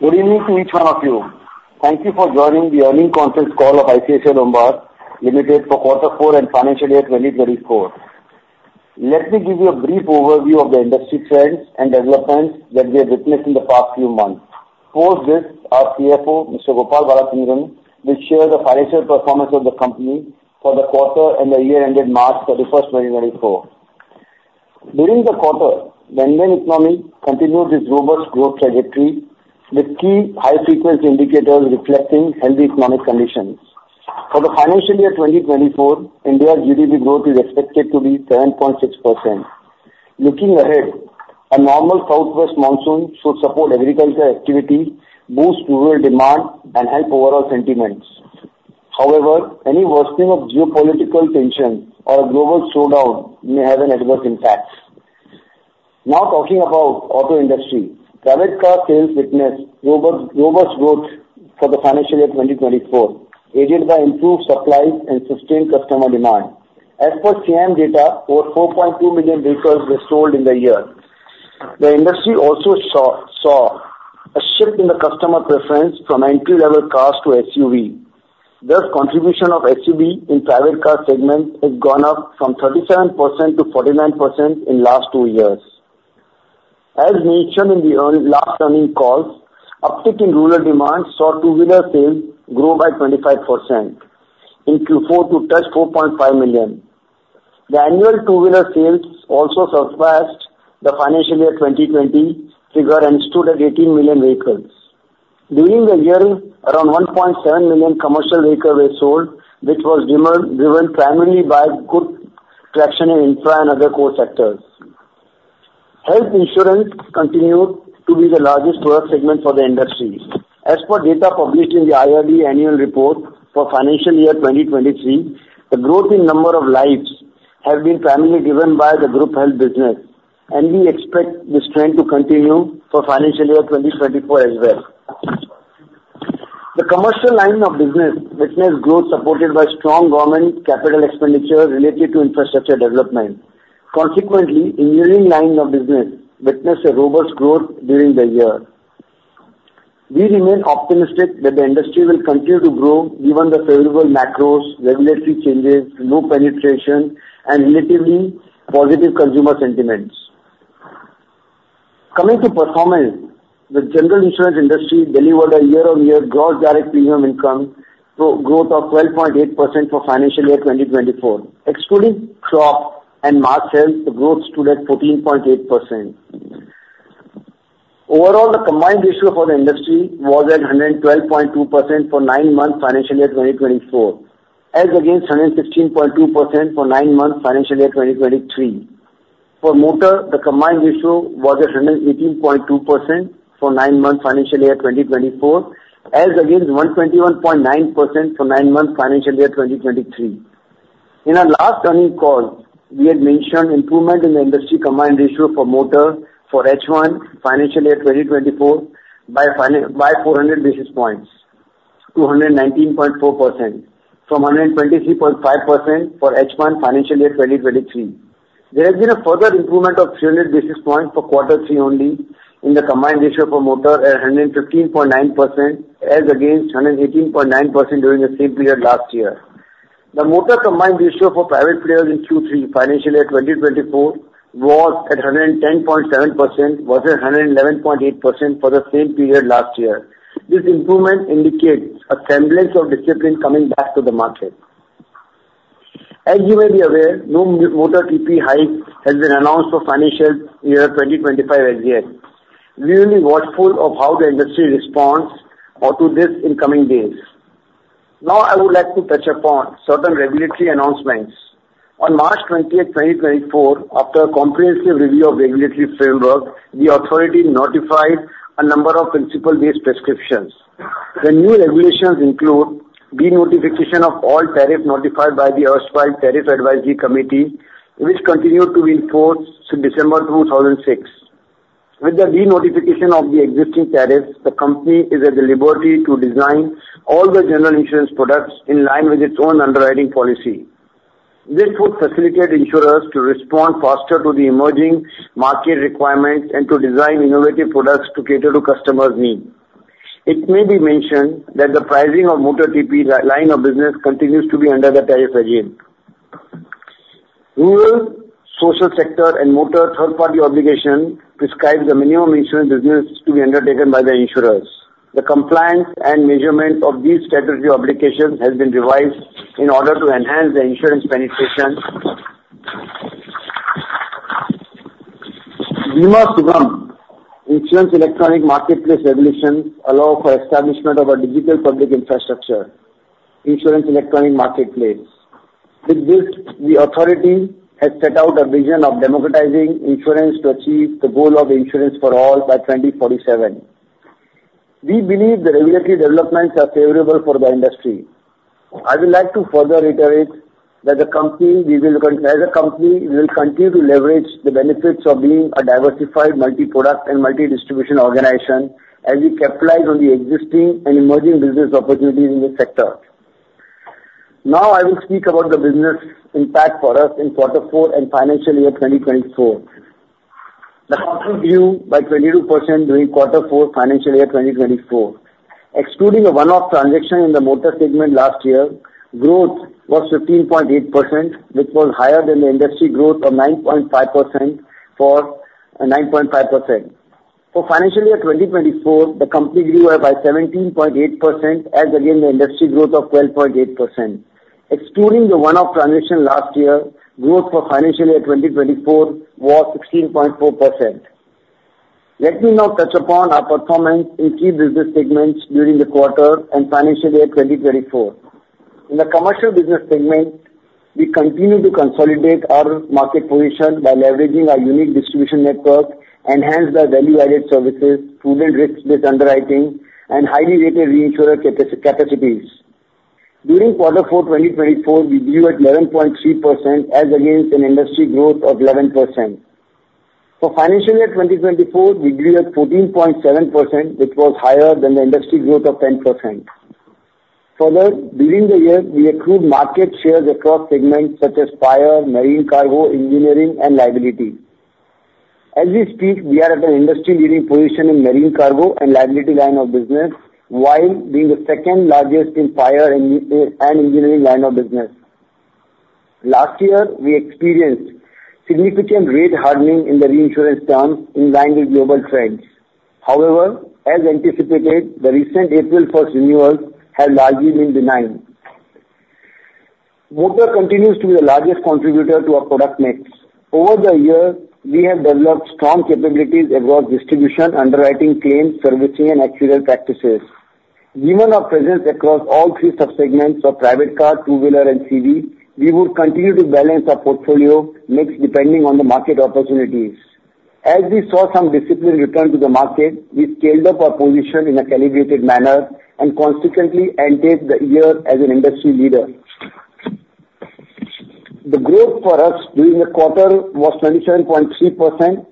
Good evening to each one of you. Thank you for joining the earnings conference call of ICICI Lombard General Insurance Company Limited for quarter 4 and financial year 2024. Let me give you a brief overview of the industry trends and developments that we have witnessed in the past few months. Post this, our CFO, Mr. Gopal Balachandran, will share the financial performance of the company for the quarter and the year ended March 31, 2024. During the quarter, Indian Economy continued its robust growth trajectory, with key high-frequency indicators reflecting healthy economic conditions. For the financial year 2024, India's GDP growth is expected to be 7.6%. Looking ahead, a normal southwest monsoon should support agricultural activity, boost rural demand, and help overall sentiments. However, any worsening of geopolitical tensions or a global slowdown may have an adverse impact. Now talking about auto industry, private car sales witnessed robust growth for the financial year 2024, aided by improved supply and sustained customer demand. As per SIAM data, over 4.2 million vehicles were sold in the year. The industry also saw a shift in the customer preference from entry-level cars to SUVs. Thus, contribution of SUVs in the private car segment has gone up from 37% to 49% in the last two years. As mentioned in the last earnings calls, an uptick in rural demand saw two-wheeler sales grow by 25% in Q4 to touch 4.5 million. The annual two-wheeler sales also surpassed the financial year 2020 figure and stood at 18 million vehicles. During the year, around 1.7 million commercial vehicles were sold, which was driven primarily by good traction in infra and other core sectors. Health insurance continued to be the largest product segment for the industry. As per data published in the IRDAI annual report for financial year 2023, the growth in the number of lives has been primarily driven by the group health business, and we expect this trend to continue for financial year 2024 as well. The commercial line of business witnessed growth supported by strong government capital expenditure related to infrastructure development. Consequently, the engineering line of business witnessed a robust growth during the year. We remain optimistic that the industry will continue to grow given the favorable macro regulatory changes, low penetration, and relatively positive consumer sentiments. Coming to performance, the general insurance industry delivered a year-on-year gross direct premium income growth of 12.8% for financial year 2024. Excluding Crop and mass health, the growth stood at 14.8%. Overall, the combined ratio for the industry was at 112.2% for nine-month financial year 2024, as against 116.2% for nine-month financial year 2023. For motor, the Combined Ratio was at 118.2% for nine-month financial year 2024, as against 121.9% for nine-month financial year 2023. In our last earnings call, we had mentioned improvement in the industry Combined Ratio for motor for H1 financial year 2024 by 400 basis points, 219.4%, from 123.5% for H1 financial year 2023. There has been a further improvement of 300 basis points for quarter 3 only in the Combined Ratio for motor at 115.9%, as against 118.9% during the same period last year. The motor Combined Ratio for private players in Q3 financial year 2024 was at 110.7% versus 111.8% for the same period last year. This improvement indicates a semblance of discipline coming back to the market. As you may be aware, no motor TP hike has been announced for financial year 2025 as yet. We will be watchful of how the industry responds to this in coming days. Now, I would like to touch upon certain regulatory announcements. On March 20, 2024, after a comprehensive review of the regulatory framework, the authority notified a number of principle-based prescriptions. The new regulations include the notification of all tariffs notified by the erstwhile Tariff Advisory Committee, which continued to be enforced since December 2006. With the de-notification of the existing tariffs, the company is at the liberty to design all the general insurance products in line with its own underwriting policy. This would facilitate insurers to respond faster to the emerging market requirements and to design innovative products to cater to customers' needs. It may be mentioned that the pricing of the motor TP line of business continues to be under the tariff regime. Rural, social sector, and motor third-party obligations prescribe the minimum insurance business to be undertaken by the insurers. The compliance and measurement of these strategic obligations have been revised in order to enhance the insurance penetration. Bima Sugam Insurance Electronic Marketplace regulations allow for the establishment of a digital public infrastructure, Insurance Electronic Marketplace. With this, the authority has set out a vision of democratizing insurance to achieve the goal of insurance for all by 2047. We believe the regulatory developments are favorable for the industry. I would like to further iterate that as a company, we will continue to leverage the benefits of being a diversified multi-product and multi-distribution organization as we capitalize on the existing and emerging business opportunities in this sector. Now, I will speak about the business impact for us in quarter 4 and financial year 2024. The profit grew by 22% during quarter 4 financial year 2024. Excluding a one-off transaction in the motor segment last year, growth was 15.8%, which was higher than the industry growth of 9.5% for financial year 2024. The company grew by 17.8% as against the industry growth of 12.8%. Excluding the one-off transaction last year, growth for financial year 2024 was 16.4%. Let me now touch upon our performance in key business segments during the quarter and financial year 2024. In the commercial business segment, we continue to consolidate our market position by leveraging our unique distribution network, enhanced by value-added services, prudent risk-based underwriting, and highly rated reinsurer capacities. During quarter 4 2024, we grew at 11.3% as against an industry growth of 11%. For financial year 2024, we grew at 14.7%, which was higher than the industry growth of 10%. Further, during the year, we accrued market shares across segments such as fire, marine cargo, engineering, and liability. As we speak, we are at an industry-leading position in the marine cargo and liability line of business while being the second-largest in fire and engineering line of business. Last year, we experienced significant rate hardening in the reinsurance terms in line with global trends. However, as anticipated, the recent April 1st renewals have largely been denied. Motor continues to be the largest contributor to our product mix. Over the year, we have developed strong capabilities across distribution, underwriting, claims, servicing, and accurate practices. Given our presence across all three subsegments of private car, two-wheeler, and CV, we would continue to balance our portfolio mix depending on the market opportunities. As we saw some discipline return to the market, we scaled up our position in a calibrated manner and consequently entered the year as an industry leader. The growth for us during the quarter was 27.3%.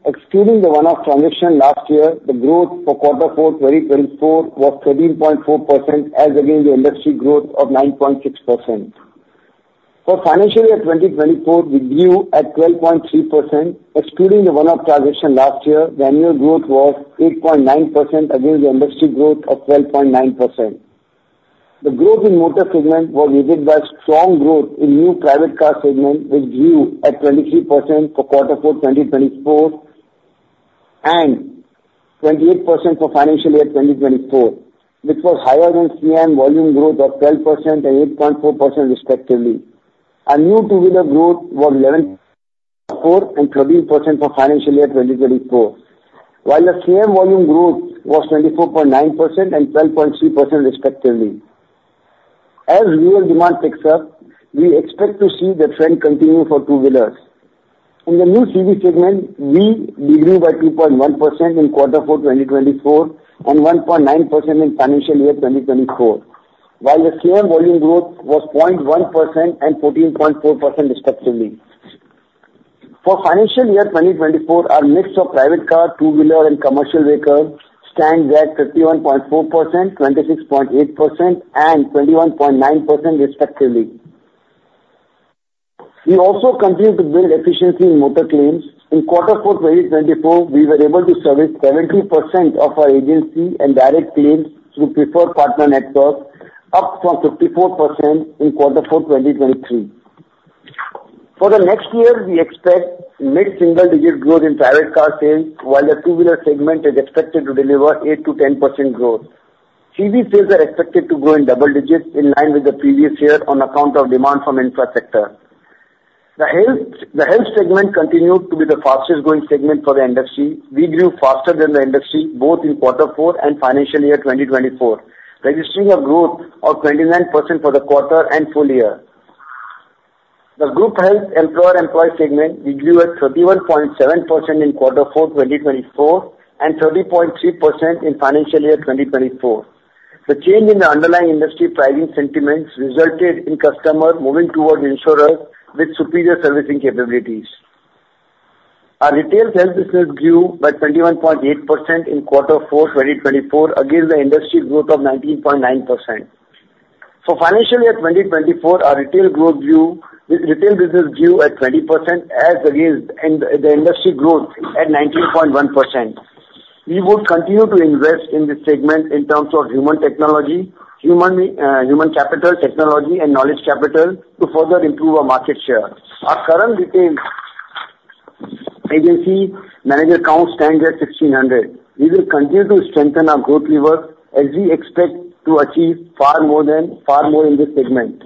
Excluding the one-off transaction last year, the growth for quarter 4 2024 was 13.4% as against the industry growth of 9.6%. For financial year 2024, we grew at 12.3%. Excluding the one-off transaction last year, the annual growth was 8.9% against the industry growth of 12.9%. The growth in the motor segment was aided by strong growth in the new private car segment, which grew at 23% for quarter 4 2024 and 28% for financial year 2024, which was higher than SIAM volume growth of 12% and 8.4% respectively. Our new two-wheeler growth was 11.4% and 13% for financial year 2024, while the SIAM volume growth was 24.9% and 12.3% respectively. As rural demand picks up, we expect to see the trend continue for two-wheelers. In the new CV segment, we degrew by 2.1% in quarter 4 2024 and 1.9% in financial year 2024, while the SIAM volume growth was 0.1% and 14.4% respectively. For financial year 2024, our mix of private car, two-wheeler, and commercial vehicles stands at 31.4%, 26.8%, and 21.9% respectively. We also continue to build efficiency in motor claims. In quarter 4 2024, we were able to service 70% of our agency and direct claims through Preferred Partner Network, up from 54% in quarter 4 2023. For the next year, we expect mid-single-digit growth in private car sales, while the two-wheeler segment is expected to deliver 8%-10% growth. CV sales are expected to grow in double digits in line with the previous year on account of demand from infrastructure. The health segment continued to be the fastest-growing segment for the industry. We grew faster than the industry both in quarter 4 and financial year 2024, registering a growth of 29% for the quarter and full year. The group health employer-employee segment, we grew at 31.7% in quarter 4 2024 and 30.3% in financial year 2024. The change in the underlying industry pricing sentiments resulted in customers moving towards insurers with superior servicing capabilities. Our retail health business grew by 21.8% in quarter 4 2024 against the industry growth of 19.9%. For financial year 2024, our retail business grew at 20% and the industry growth at 19.1%. We would continue to invest in this segment in terms of human capital, technology, and knowledge capital to further improve our market share. Our current retail agency manager count stands at 1,600. We will continue to strengthen our growth lever as we expect to achieve far more in this segment.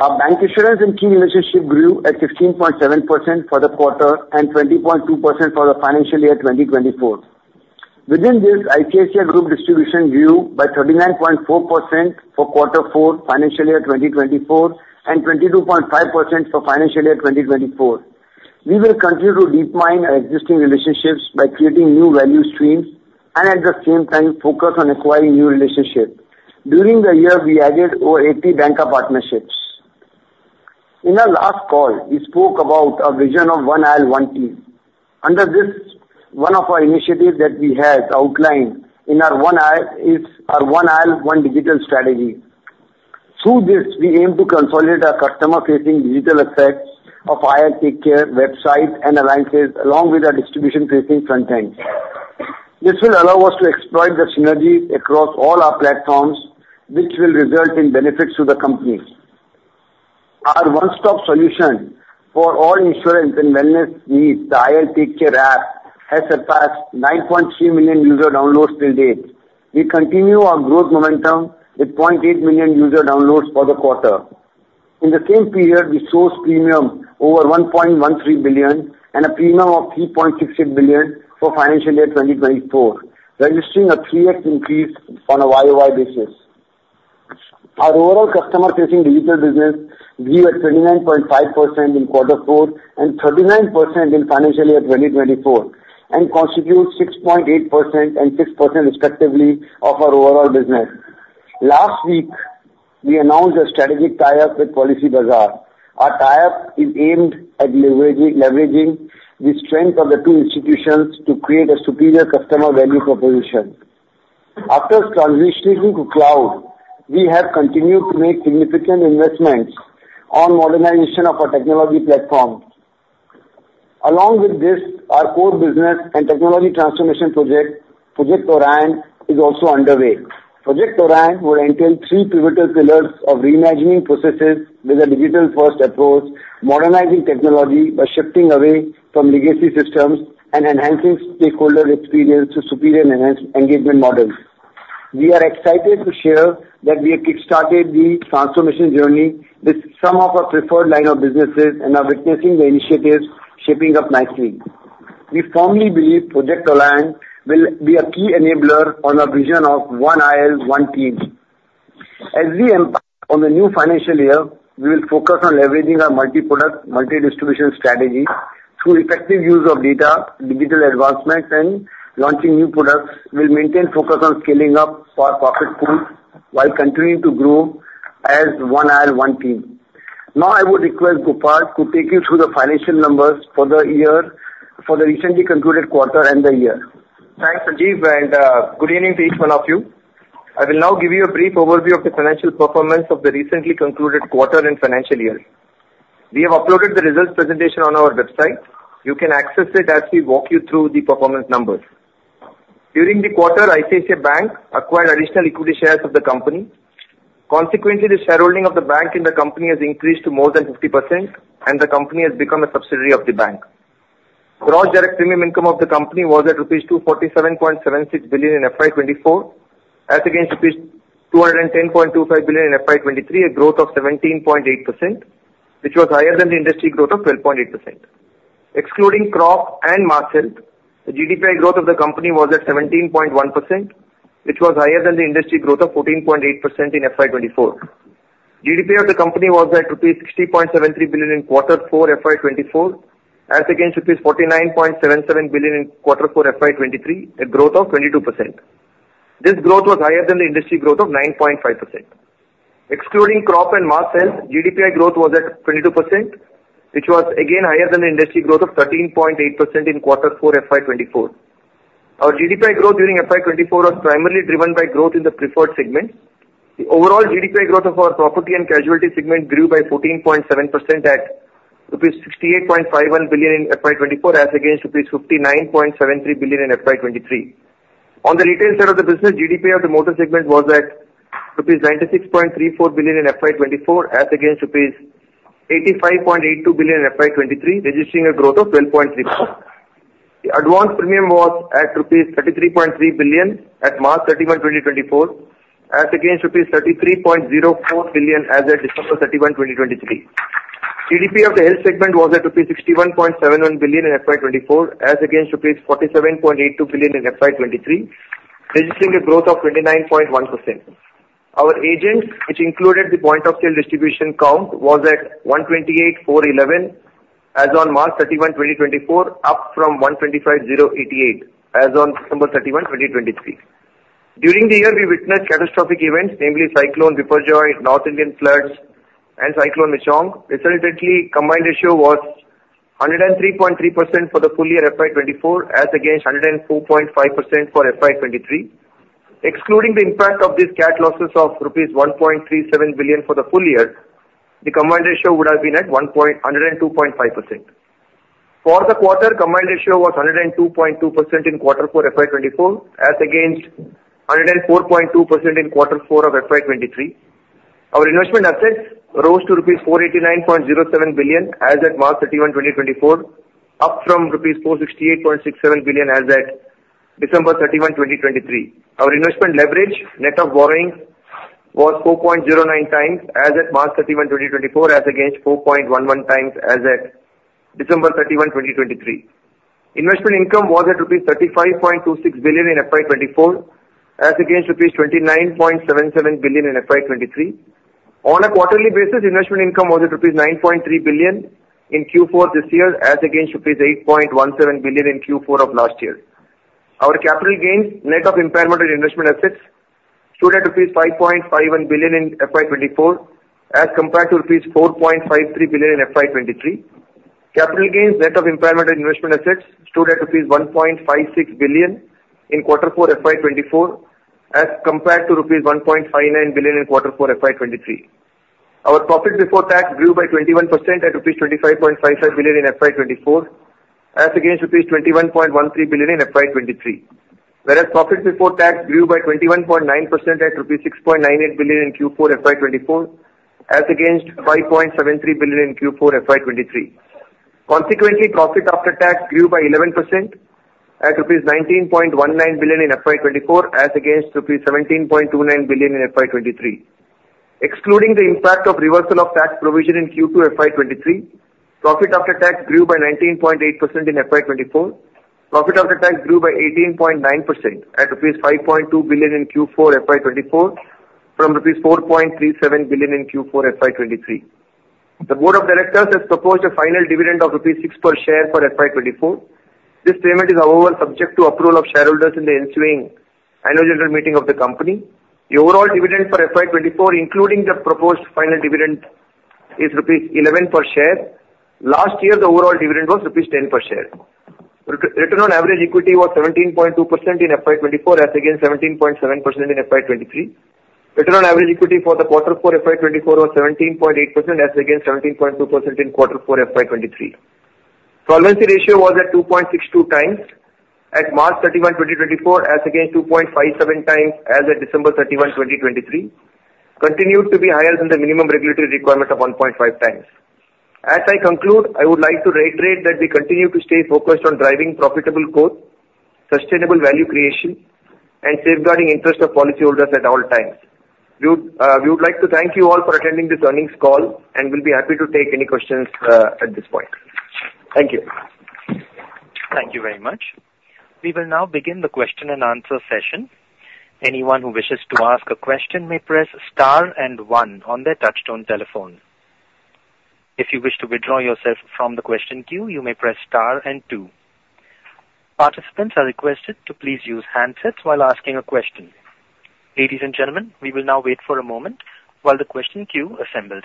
Our bancassurance and key relationship grew at 16.7% for the quarter and 20.2% for the financial year 2024. Within this, ICICI Group Distribution grew by 39.4% for quarter 4 financial year 2024 and 22.5% for financial year 2024. We will continue to deep mine our existing relationships by creating new value streams and, at the same time, focus on acquiring new relationships. During the year, we added over 80 banking partnerships. In our last call, we spoke about our vision of One IL One Team. Under this one-off initiative that we had outlined in our One IL is our One IL, One Digital strategy. Through this, we aim to consolidate our customer-facing digital assets of our IL TakeCare website and app along with our distribution-facing frontend. This will allow us to exploit the synergies across all our platforms, which will result in benefits to the company. Our one-stop solution for all insurance and wellness needs, the IL TakeCare app, has surpassed 9.3 million user downloads till date. We continue our growth momentum with 0.8 million user downloads for the quarter. In the same period, we sourced premium over 1.13 billion and a premium of 3.68 billion for financial year 2024, registering a 3x increase on a year-by-year basis. Our overall customer-facing digital business grew at 29.5% in quarter 4 and 39% in financial year 2024 and constitutes 6.8% and 6% respectively of our overall business. Last week, we announced a strategic tie-up with Policybazaar. Our tie-up is aimed at leveraging the strength of the two institutions to create a superior customer value proposition. After transitioning to cloud, we have continued to make significant investments on modernization of our technology platforms. Along with this, our core business and technology transformation project, Project Orion, is also underway. Project Orion would entail three pivotal pillars of reimagining processes with a digital-first approach, modernizing technology by shifting away from legacy systems and enhancing stakeholder experience to superior engagement models. We are excited to share that we have kickstarted the transformation journey with some of our preferred line of businesses and are witnessing the initiatives shaping up nicely. We firmly believe Project Orion will be a key enabler on our vision of One IL One Team. As we embark on the new financial year, we will focus on leveraging our multi-product, multi-distribution strategy. Through effective use of data, digital advancements, and launching new products, we will maintain focus on scaling up our profit pool while continuing to grow as One IL One Team. Now, I would request Gopal to take you through the financial numbers for the recently concluded quarter and the year. Thanks, Sanjeev, and good evening to each one of you. I will now give you a brief overview of the financial performance of the recently concluded quarter and financial year. We have uploaded the results presentation on our website. You can access it as we walk you through the performance numbers. During the quarter, ICICI Bank acquired additional equity shares of the company. Consequently, the shareholding of the bank in the company has increased to more than 50%, and the company has become a subsidiary of the bank. Gross direct premium income of the company was at rupees 247.76 billion in FY 2024, as against rupees 210.25 billion in FY 2023, a growth of 17.8%, which was higher than the industry growth of 12.8%. Excluding Crop and Mass Health, the GDPI growth of the company was at 17.1%, which was higher than the industry growth of 14.8% in FY 2024. GDPI of the company was at rupees 60.73 billion in quarter 4 FY 2024, as against rupees 49.77 billion in quarter 4 FY 2023, a growth of 22%. This growth was higher than the industry growth of 9.5%. Excluding Crop and Mass Health, GDPI growth was at 22%, which was again higher than the industry growth of 13.8% in quarter 4 FY 2024. Our GDPI growth during FY 2024 was primarily driven by growth in the preferred segments. The overall GDPI growth of our property and casualty segment grew by 14.7% at rupees 68.51 billion in FY24, as against rupees 59.73 billion in FY23. On the retail side of the business, GDPI of the motor segment was at rupees 96.34 billion in FY24, as against rupees 85.82 billion in FY23, registering a growth of 12.3%. The advance premium was at rupees 33.3 billion at March 31, 2024, as against rupees 33.04 billion as of December 31, 2023. GDPI of the health segment was at rupees 61.71 billion in FY24, as against rupees 47.82 billion in FY23, registering a growth of 29.1%. Our agents, which included the point-of-sale distribution count, were at 128,411 as on March 31, 2024, up from 125,088 as on December 31, 2023. During the year, we witnessed catastrophic events, namely Cyclone Biparjoy, North Indian Floods, and Cyclone Michaung, resulting in a combined ratio of 103.3% for the full year FY24 as against 104.5% for FY23. Excluding the impact of these cat losses of rupees 1.37 billion for the full year, the combined ratio would have been at 102.5%. For the quarter, the combined ratio was 102.2% in quarter 4 FY24, as against 104.2% in quarter 4 of FY23. Our investment assets rose to rupees 489.07 billion as of March 31, 2024, up from rupees 468.67 billion as of December 31, 2023. Our investment leverage, net of borrowing, was 4.09 times as of March 31, 2024, as against 4.11 times as of December 31, 2023. Investment income was at INR 35.26 billion in FY24, as against INR 29.77 billion in FY23. On a quarterly basis, investment income was at INR 9.3 billion in Q4 this year, as against INR 8.17 billion in Q4 of last year. Our capital gains, net of impairment and investment assets, stood at rupees 5.51 billion in FY24 as compared to rupees 4.53 billion in FY23. Capital gains, net of impairment and investment assets, stood at rupees 1.56 billion in quarter 4 FY24 as compared to rupees 1.59 billion in quarter 4 FY23. Our profit before tax grew by 21% at rupees 25.55 billion in FY24, as against rupees 21.13 billion in FY23, whereas profit before tax grew by 21.9% at rupees 6.98 billion in Q4 FY24, as against 5.73 billion in Q4 FY23. Consequently, profit after tax grew by 11% at rupees 19.19 billion in FY24, as against rupees 17.29 billion in FY23. Excluding the impact of reversal of tax provision in Q2 FY23, profit after tax grew by 19.8% in FY24. Profit after tax grew by 18.9% at rupees 5.2 billion in Q4 FY24 from rupees 4.37 billion in Q4 FY23. The board of directors has proposed a final dividend of rupees 6 per share for FY24. This payment is, however, subject to approval of shareholders in the ensuing annual general meeting of the company. The overall dividend for FY24, including the proposed final dividend, is rupees 11 per share. Last year, the overall dividend was rupees 10 per share. Return on Average Equity was 17.2% in FY24, as against 17.7% in FY23. Return on Average Equity for the quarter 4 FY24 was 17.8%, as against 17.2% in quarter 4 FY23. Solvency Ratio was at 2.62 times at March 31, 2024, as against 2.57 times as of December 31, 2023, continued to be higher than the minimum regulatory requirement of 1.5 times. As I conclude, I would like to reiterate that we continue to stay focused on driving profitable growth, sustainable value creation, and safeguarding the interests of policyholders at all times. We would like to thank you all for attending this earnings call, and we'll be happy to take any questions at this point. Thank you. Thank you very much. We will now begin the question-and-answer session. Anyone who wishes to ask a question may press star and one on their touchtone telephone. If you wish to withdraw yourself from the question queue, you may press star and two. Participants are requested to please use handsets while asking a question. Ladies and gentlemen, we will now wait for a moment while the question queue assembles.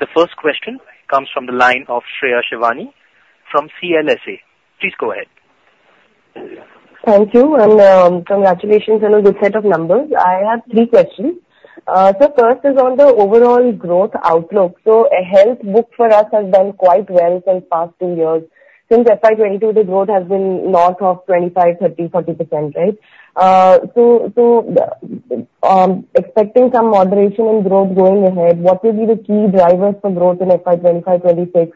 The first question comes from the line of Shreya Shivani from CLSA. Please go ahead. Thank you, and congratulations on a good set of numbers. I have three questions. So first is on the overall growth outlook. So health, book for us, has done quite well for the past two years. Since FY22, the growth has been north of 25%, 30%, 40%, right? So expecting some moderation in growth going ahead, what will be the key drivers for growth in FY25-26?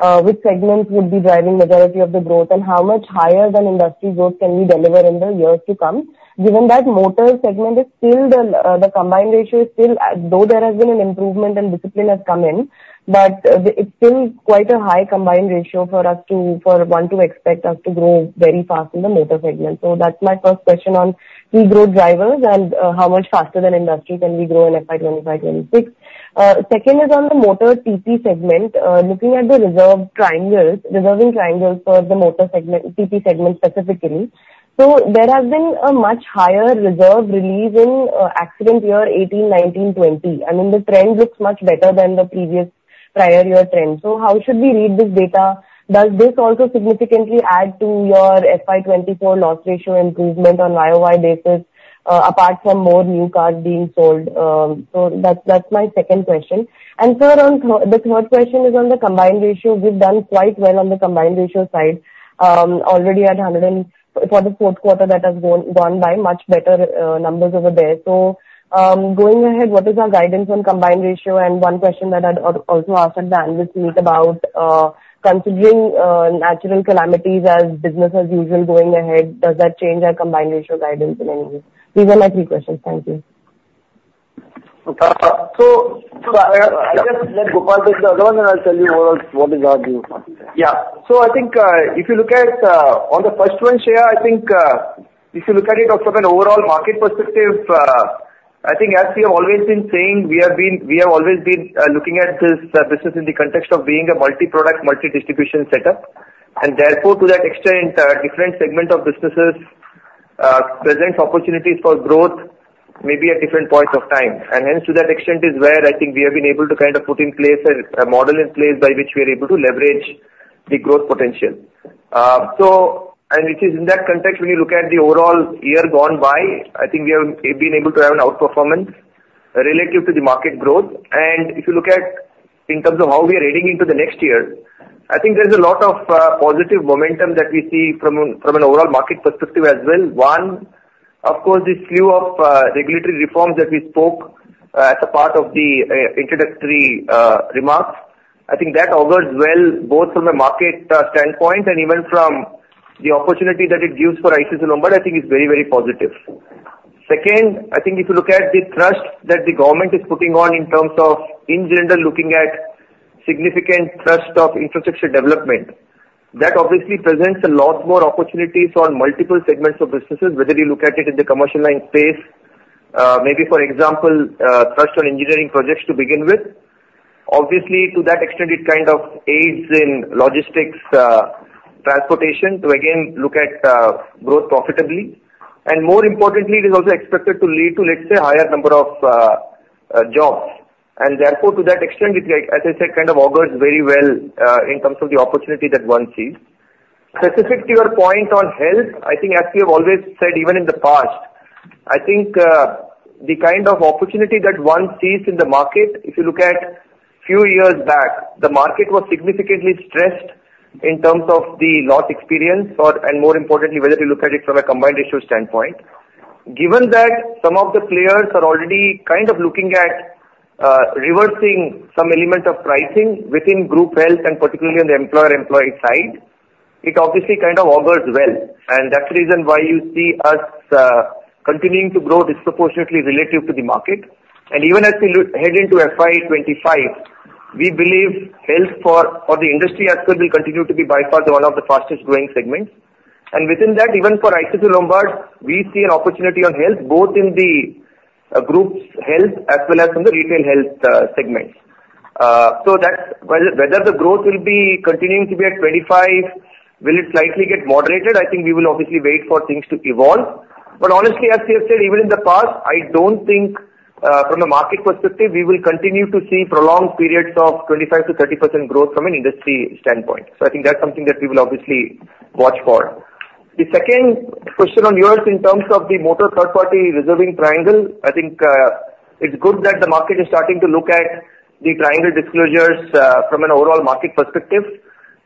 Which segments would be driving the majority of the growth? And how much higher than industry growth can we deliver in the years to come? Given that motor segment is still the Combined Ratio is still though there has been an improvement and discipline has come in, but it's still quite a high Combined Ratio for us to for one to expect us to grow very fast in the motor segment. So that's my first question on key growth drivers and how much faster than industry can we grow in FY25-26. Second is on the motor TP segment. Looking at the reserve triangles, reserving triangles for the motor segment TP segment specifically, so there has been a much higher reserve release in accident year 2018, 2019, 2020. I mean, the trend looks much better than the previous prior year trend. So how should we read this data? Does this also significantly add to your FY24 loss ratio improvement on year-by-year basis apart from more new cars being sold? So that's my second question. And sir, the third question is on the combined ratio. We've done quite well on the combined ratio side already at 100 and for the fourth quarter that has gone by, much better numbers over there. So going ahead, what is our guidance on combined ratio? One question that I'd also ask at the end with Sanjeev about considering natural calamities as business as usual going ahead, does that change our combined ratio guidance in any way? These are my three questions. Thank you. So I guess let Gopal take the other one, and I'll tell you overall what is our view. Yeah. So I think if you look at on the first one, Shreya, I think if you look at it also from an overall market perspective, I think as we have always been saying, we have always been looking at this business in the context of being a multi-product, multi-distribution setup. And therefore, to that extent, different segments of businesses present opportunities for growth maybe at different points of time. Hence, to that extent, is where I think we have been able to kind of put in place a model in place by which we are able to leverage the growth potential. Which is in that context, when you look at the overall year gone by, I think we have been able to have an outperformance relative to the market growth. If you look at in terms of how we are heading into the next year, I think there's a lot of positive momentum that we see from an overall market perspective as well. One, of course, this slew of regulatory reforms that we spoke as a part of the introductory remarks, I think that augurs well both from a market standpoint and even from the opportunity that it gives for ICICI Lombard, I think is very, very positive. Second, I think if you look at the thrust that the government is putting on in terms of, in general, looking at significant thrust of infrastructure development, that obviously presents a lot more opportunities on multiple segments of businesses, whether you look at it in the commercial line space, maybe, for example, thrust on engineering projects to begin with. Obviously, to that extent, it kind of aids in logistics, transportation to, again, look at growth profitably. And more importantly, it is also expected to lead to, let's say, a higher number of jobs. And therefore, to that extent, as I said, kind of augurs very well in terms of the opportunity that one sees. Specific to your point on health, I think as we have always said even in the past, I think the kind of opportunity that one sees in the market, if you look at a few years back, the market was significantly stressed in terms of the loss experience and more importantly, whether you look at it from a combined ratio standpoint. Given that some of the players are already kind of looking at reversing some element of pricing within group health and particularly on the employer-employee side, it obviously kind of augurs well. And that's the reason why you see us continuing to grow disproportionately relative to the market. And even as we head into FY25, we believe health for the industry as well will continue to be by far one of the fastest-growing segments. Within that, even for ICICI Lombard, we see an opportunity on health both in the group health as well as in the retail health segments. So whether the growth will be continuing to be at 25%, will it slightly get moderated? I think we will obviously wait for things to evolve. But honestly, as we have said even in the past, I don't think from a market perspective, we will continue to see prolonged periods of 25%-30% growth from an industry standpoint. So I think that's something that we will obviously watch for. The second question on yours in terms of the motor third-party reserving triangle, I think it's good that the market is starting to look at the triangle disclosures from an overall market perspective.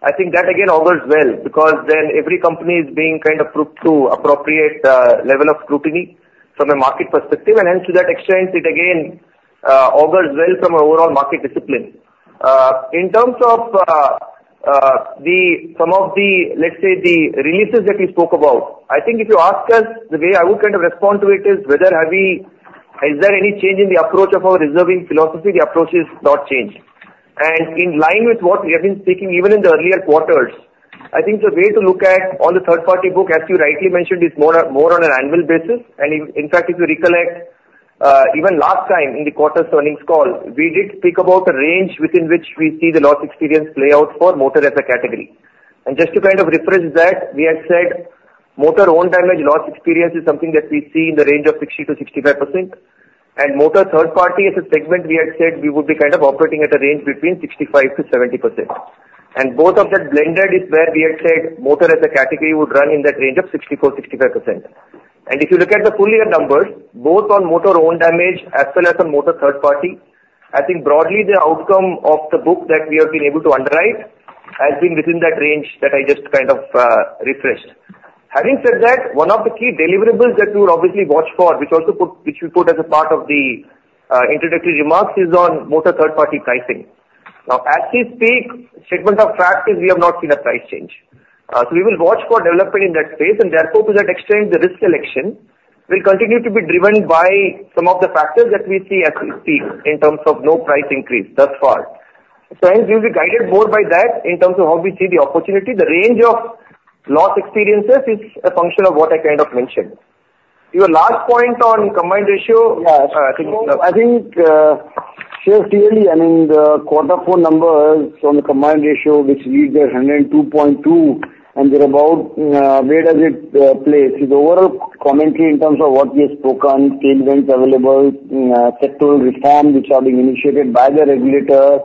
I think that, again, augurs well because then every company is being kind of put to appropriate level of scrutiny from a market perspective. And hence, to that extent, it, again, augurs well from an overall market discipline. In terms of some of the, let's say, the releases that we spoke about, I think if you ask us the way I would kind of respond to it is whether have we is there any change in the approach of our reserving philosophy? The approach has not changed. And in line with what we have been speaking even in the earlier quarters, I think the way to look at all the third-party book, as you rightly mentioned, is more on an annual basis. In fact, if you recollect even last time in the quarterly earnings call, we did speak about a range within which we see the loss experience play out for motor as a category. Just to kind of refresh that, we had said motor own damage loss experience is something that we see in the range of 60%-65%. Motor third-party as a segment, we had said we would be kind of operating at a range between 65%-70%. Both of that blended is where we had said motor as a category would run in that range of 64%-65%. If you look at the full year numbers, both on motor own damage as well as on motor third party, I think broadly, the outcome of the book that we have been able to underwrite has been within that range that I just kind of refreshed. Having said that, one of the key deliverables that we will obviously watch for, which we put as a part of the introductory remarks, is on motor third party pricing. Now, as we speak, statement of fact is we have not seen a price change. We will watch for development in that space. Therefore, to that extent, the risk selection will continue to be driven by some of the factors that we see as we speak in terms of no price increase thus far. Hence, we will be guided more by that in terms of how we see the opportunity. The range of loss experiences is a function of what I kind of mentioned. Your last point on Combined Ratio, I think. Yes. I think Shreya, clearly, I mean, the quarter four numbers on the Combined Ratio, which reads at 102.2 and thereabouts, where does it play? So the overall commentary in terms of what we have spoken, payments available, sectoral reforms which are being initiated by the regulator,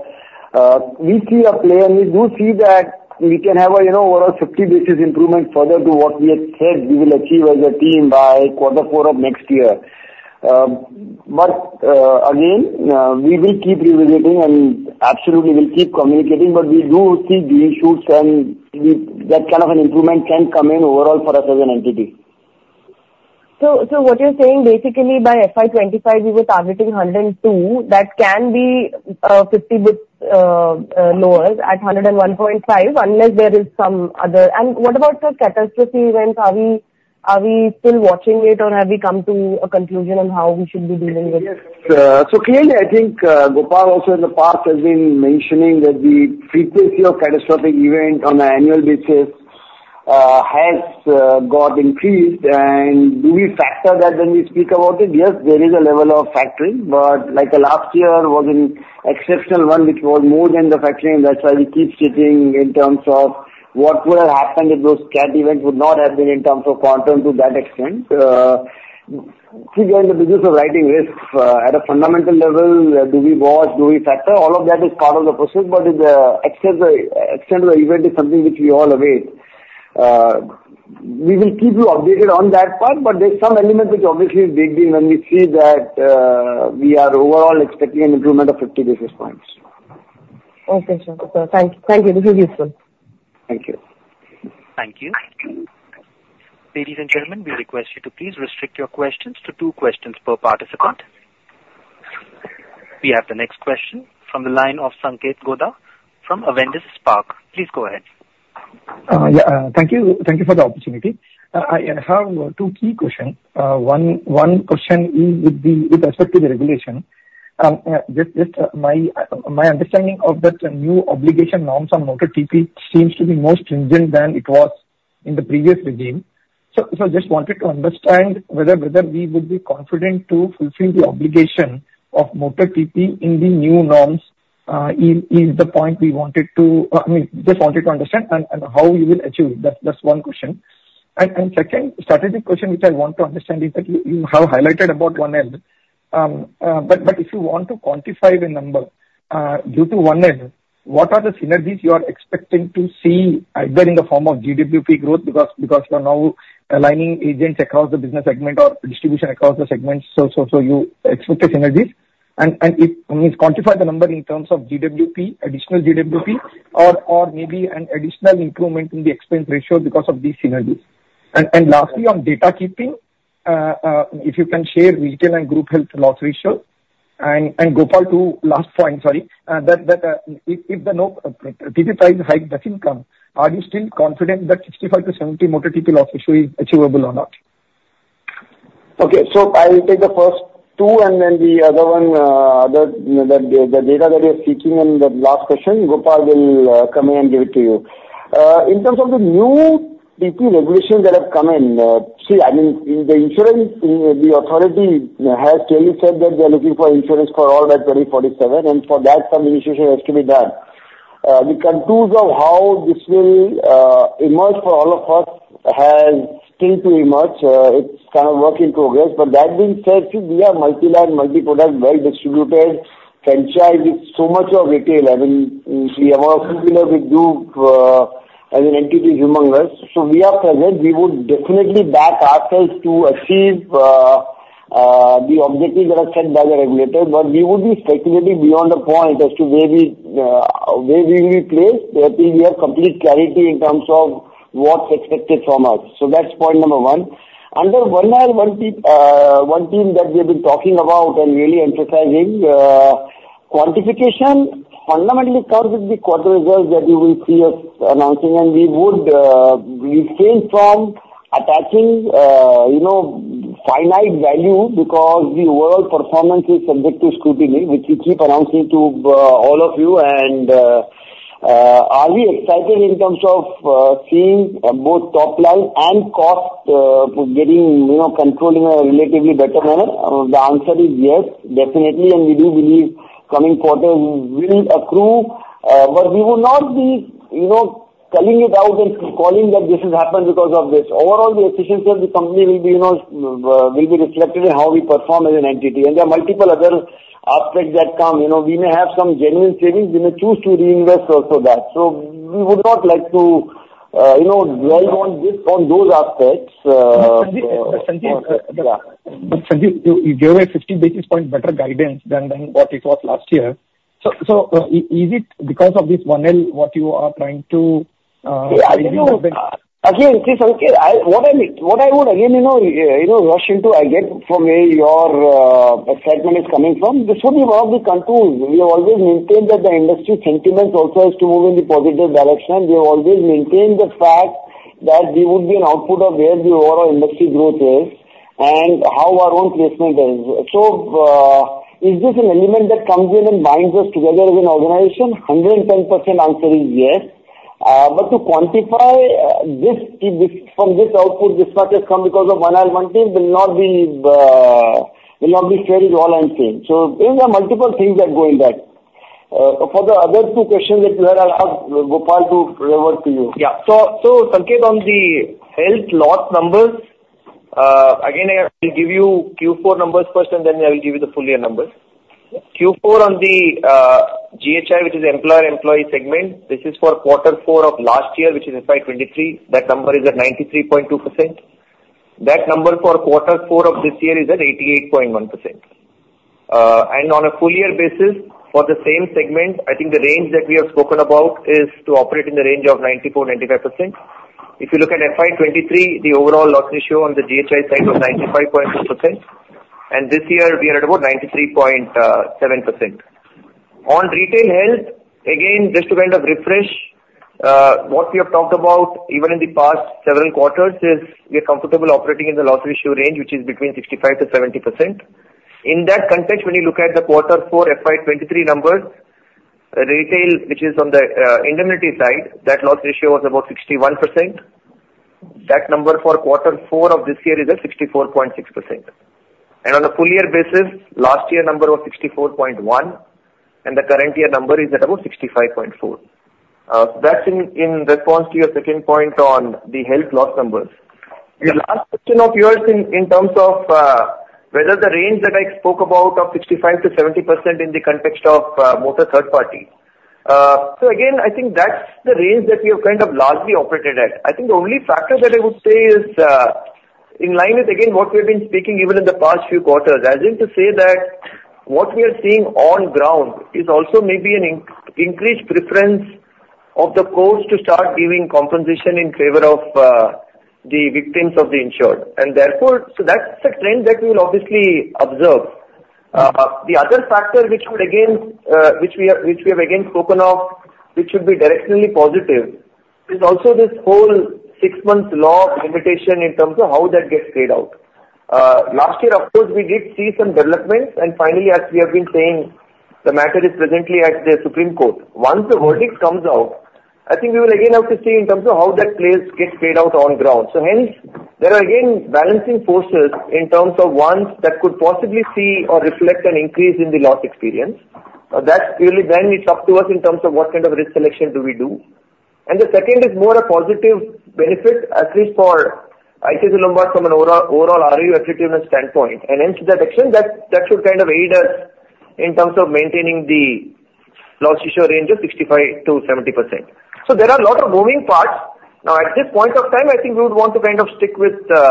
we see a play and we do see that we can have an overall 50 basis improvement further to what we had said we will achieve as a team by quarter four of next year. But again, we will keep revisiting and absolutely will keep communicating. But we do see the issues and that kind of an improvement can come in overall for us as an entity. So what you're saying, basically, by FY 2025, we were targeting 102. That can be 50 basis points lower at 101.5 unless there is some other, and what about the catastrophe events? Are we still watching it or have we come to a conclusion on how we should be dealing with? Yes. So clearly, I think Gopal also in the past has been mentioning that the frequency of catastrophic events on an annual basis has got increased. Do we factor that when we speak about it? Yes, there is a level of factoring. But like last year was an exceptional one which was more than the factoring. That's why we keep citing in terms of what would have happened if those cat events would not have been in terms of quantum to that extent. Keep going in the business of writing risks at a fundamental level. Do we watch? Do we factor? All of that is part of the process. But except the extent of the event is something which we all await. We will keep you updated on that part. But there's some element which obviously is baked in when we see that we are overall expecting an improvement of 50 basis points. Okay, sir. Thank you. This is useful. Thank you. Thank you. Ladies and gentlemen, we request you to please restrict your questions to two questions per participant. We have the next question from the line of Sanketh Godha from Avendus Spark. Please go ahead. Yeah. Thank you. Thank you for the opportunity. I have two key questions. One question is with respect to the regulation. Just my understanding of that new obligation norms on motor TP seems to be more stringent than it was in the previous regime. So I just wanted to understand whether we would be confident to fulfill the obligation of motor TP in the new norms is the point we wanted to—I mean, just wanted to understand and how you will achieve. That's one question. And second, strategic question which I want to understand is that you have highlighted about IL. But if you want to quantify the number due to IL, what are the synergies you are expecting to see either in the form of GWP growth because you're now aligning agents across the business segment or distribution across the segments, so you expect the synergies? And I mean, quantify the number in terms of GWP, additional GWP, or maybe an additional improvement in the expense ratio because of these synergies? And lastly, on data keeping, if you can share retail and group health loss ratio. And Gopal, two last points. Sorry. If the TP price hike doesn't come, are you still confident that 65%-70% motor TP loss ratio is achievable or not? Okay. So I will take the first two and then the other one the data that you're seeking and the last question, Gopal will come in and give it to you. In terms of the new TP regulations that have come in, see, I mean, the insurance, the authority has clearly said that they're looking for insurance for all by 2047. And for that, some initiation has to be done. The contours of how this will emerge for all of us has still to emerge. It's kind of work in progress. But that being said, see, we are multi-line, multi-product, well-distributed, franchise with so much of retail. I mean, we are more familiar with you as an entity humongous. So we are present. We would definitely back ourselves to achieve the objectives that are set by the regulator. We would be speculating beyond the point as to where we will be placed until we have complete clarity in terms of what's expected from us. That's point number one. Under IL, one theme that we have been talking about and really emphasizing, quantification fundamentally comes with the quarter results that you will see us announcing. We would refrain from attaching finite value because the overall performance is subject to scrutiny, which we keep announcing to all of you. Are we excited in terms of seeing both top line and cost getting controlled in a relatively better manner? The answer is yes, definitely. We do believe coming quarters will accrue. We will not be culling it out and calling that this has happened because of this. Overall, the efficiency of the company will be reflected in how we perform as an entity. There are multiple other aspects that come. We may have some genuine savings. We may choose to reinvest also that. We would not like to dwell on those aspects. Sanketh, Sanketh, you gave a 50 basis points better guidance than what it was last year. Is it because of this IL what you are trying to? Again, see, Sanketh, what I would again rush into, I get from where your excitement is coming from, this would be one of the contours. We have always maintained that the industry sentiment also has to move in the positive direction. We have always maintained the fact that we would be an output of where the overall industry growth is and how our own placement is. So is this an element that comes in and binds us together as an organization? 110% answer is yes. But to quantify from this output, this much has come because of 1L, 1T will not be fair is all I'm saying. So there are multiple things that go in that. For the other two questions that you had, I'll ask Gopal to revert to you. Yeah. So Sanketh, on the health loss numbers, again, I will give you Q4 numbers first and then I will give you the full year numbers. Q4 on the GHI, which is employer-employee segment, this is for quarter four of last year, which is FY23. That number is at 93.2%. That number for quarter four of this year is at 88.1%. On a full year basis, for the same segment, I think the range that we have spoken about is to operate in the range of 94%-95%. If you look at FY23, the overall loss ratio on the GHI side was 95.2%. This year, we are at about 93.7%. On retail health, again, just to kind of refresh what we have talked about even in the past several quarters is we are comfortable operating in the loss ratio range, which is between 65%-70%. In that context, when you look at the quarter four FY23 numbers, retail, which is on the indemnity side, that loss ratio was about 61%. That number for quarter four of this year is at 64.6%. On a full year basis, last year number was 64.1%. The current year number is at about 65.4%. So that's in response to your second point on the health loss numbers. The last question of yours in terms of whether the range that I spoke about of 65%-70% in the context of motor third party so again, I think that's the range that we have kind of largely operated at. I think the only factor that I would say is in line with, again, what we have been speaking even in the past few quarters, as in to say that what we are seeing on ground is also maybe an increased preference of the courts to start giving compensation in favor of the victims of the insured. And therefore, so that's a trend that we will obviously observe. The other factor which would again which we have again spoken of, which would be directionally positive, is also this whole six-month law limitation in terms of how that gets played out. Last year, of course, we did see some developments. Finally, as we have been saying, the matter is presently at the Supreme Court. Once the verdict comes out, I think we will again have to see in terms of how that plays gets played out on ground. So hence, there are again balancing forces in terms of ones that could possibly see or reflect an increase in the loss experience. That's clearly then it's up to us in terms of what kind of risk selection do we do. The second is more a positive benefit, at least for ICICI Lombard from an overall RoE attractiveness standpoint. And hence, to that extent, that should kind of aid us in terms of maintaining the loss ratio range of 65%-70%. So there are a lot of moving parts. Now, at this point of time, I think we would want to kind of stick with the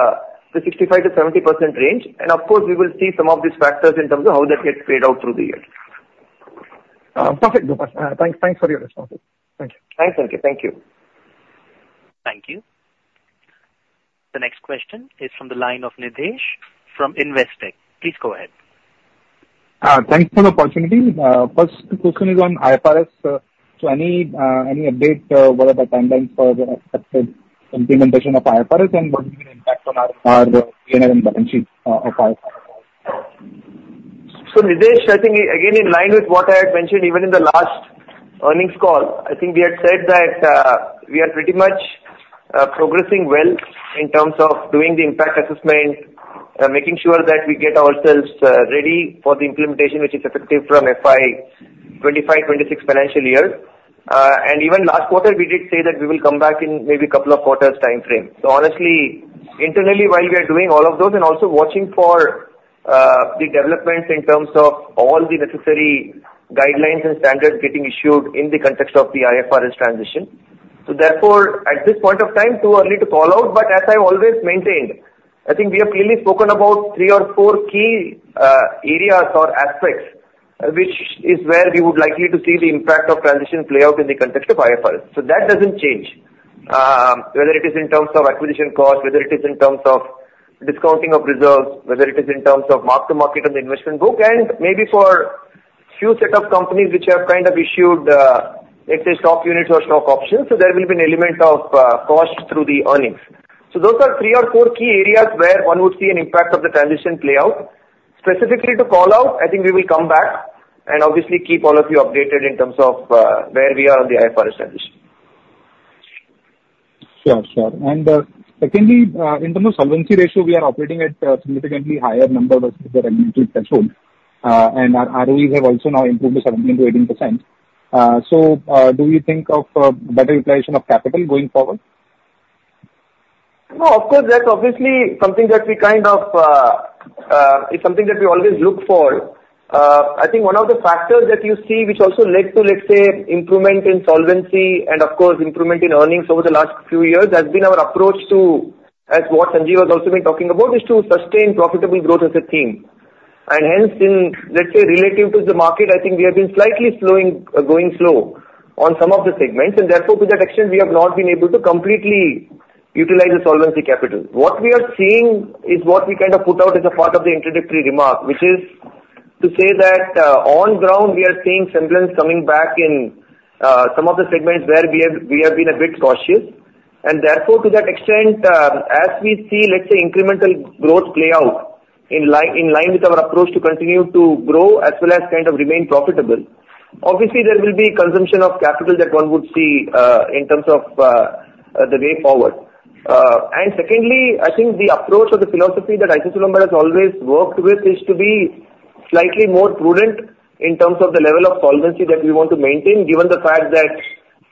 65%-70% range. And of course, we will see some of these factors in terms of how that gets played out through the year. Perfect, Gopal. Thanks for your responses. Thank you. Thanks, Sanketh. Thank you. Thank you. The next question is from the line of Nitesh from Investec. Please go ahead. Thanks for the opportunity. First question is on IFRS. So any update, what are the timelines for the expected implementation of IFRS and what will be the impact on our P&L and balance sheet of IFRS? So Nitesh, I think again, in line with what I had mentioned even in the last earnings call, I think we had said that we are pretty much progressing well in terms of doing the impact assessment, making sure that we get ourselves ready for the implementation which is effective from FY 2025-26 financial year. Even last quarter, we did say that we will come back in maybe a couple of quarters' time frame. So honestly, internally, while we are doing all of those and also watching for the developments in terms of all the necessary guidelines and standards getting issued in the context of the IFRS transition. So therefore, at this point of time, too early to call out. As I've always maintained, I think we have clearly spoken about three or four key areas or aspects which is where we would likely to see the impact of transition play out in the context of IFRS. That doesn't change, whether it is in terms of acquisition cost, whether it is in terms of discounting of reserves, whether it is in terms of mark-to-market on the investment book. Maybe for a few set of companies which have kind of issued, let's say, stock units or stock options, so there will be an element of cost through the earnings. Those are three or four key areas where one would see an impact of the transition play out. Specifically to call out, I think we will come back and obviously keep all of you updated in terms of where we are on the IFRS transition. Sure, sure. And secondly, in terms of solvency ratio, we are operating at a significantly higher number versus the recommended threshold. And our ROEs have also now improved to 17%-18%. So do you think of better utilization of capital going forward? No, of course. That's obviously something that we kind of it's something that we always look for. I think one of the factors that you see which also led to, let's say, improvement in solvency and, of course, improvement in earnings over the last few years has been our approach to as what Sanjeev has also been talking about, is to sustain profitable growth as a theme. And hence, let's say, relative to the market, I think we have been slightly going slow on some of the segments. And therefore, to that extent, we have not been able to completely utilize the solvency capital. What we are seeing is what we kind of put out as a part of the introductory remark, which is to say that on ground, we are seeing semblance coming back in some of the segments where we have been a bit cautious. And therefore, to that extent, as we see, let's say, incremental growth play out in line with our approach to continue to grow as well as kind of remain profitable, obviously, there will be consumption of capital that one would see in terms of the way forward. And secondly, I think the approach or the philosophy that ICICI Lombard has always worked with is to be slightly more prudent in terms of the level of solvency that we want to maintain given the fact that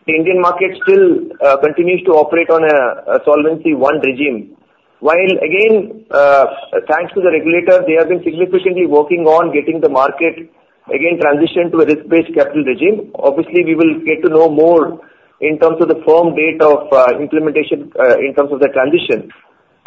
the Indian market still continues to operate on a solvency-one regime. While again, thanks to the regulator, they have been significantly working on getting the market again transitioned to a risk-based capital regime, obviously, we will get to know more in terms of the firm date of implementation in terms of the transition.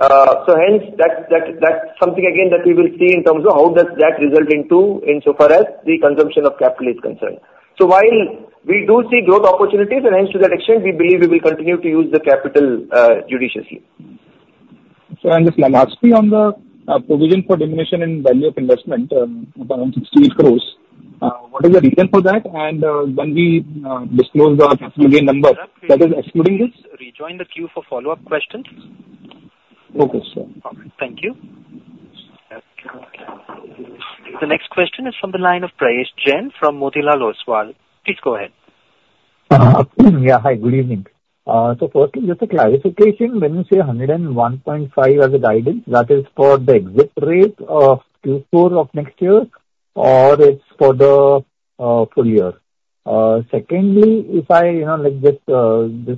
So hence, that's something again that we will see in terms of how does that result into insofar as the consumption of capital is concerned. So while we do see growth opportunities, and hence, to that extent, we believe we will continue to use the capital judiciously. So I understand. Lastly, on the provision for diminution in value of investment of around 68 crore, what is the reason for that? And when we disclose the capital gain number, that is excluding this. Please rejoin the queue for follow-up questions. Okay, sure. All right. Thank you. The next question is from the line of Prayesh Jain from Motilal Oswal. Please go ahead. Yeah. Hi. Good evening. So firstly, just a clarification. When you say 101.5 as a guidance, that is for the exit rate of Q4 of next year or it's for the full year? Secondly, if I just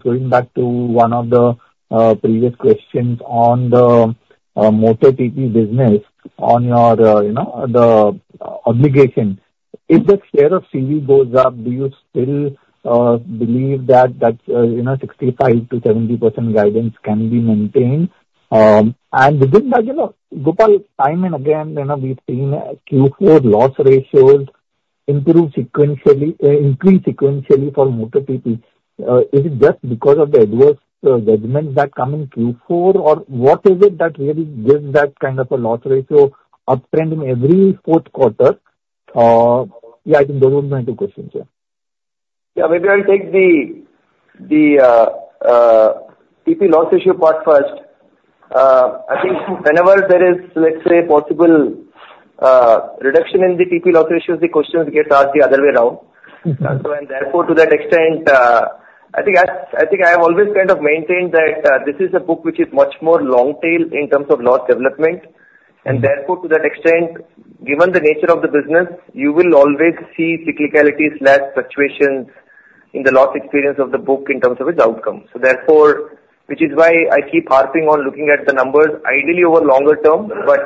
going back to one of the previous questions on the motor TP business, on the obligation, if the share of CV goes up, do you still believe that that 65%-70% guidance can be maintained? And within that, Gopal, time and again, we've seen Q4 loss ratios increase sequentially for motor TP. Is it just because of the adverse judgments that come in Q4, or what is it that really gives that kind of a loss ratio uptrend in every fourth quarter? Yeah. I think those are my two questions, yeah. Yeah. Maybe I'll take the TP loss ratio part first. I think whenever there is, let's say, possible reduction in the TP loss ratios, the questions get asked the other way around. And therefore, to that extent, I think I have always kind of maintained that this is a book which is much more long-tailed in terms of loss development. And therefore, to that extent, given the nature of the business, you will always see cyclicality/fluctuations in the loss experience of the book in terms of its outcome. So therefore, which is why I keep harping on looking at the numbers, ideally over longer term, but